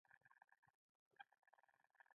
منی دی هېڅ شی نه شته.